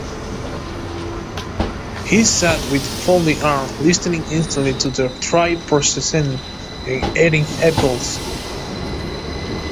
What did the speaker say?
He sat with folded arms, listening intently to the trial proceedings and eating apples.